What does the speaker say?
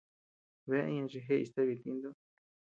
Bea iña chi jeʼey stebe ñeʼe tuʼu.